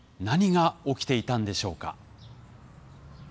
何が起きていたんでしょうか？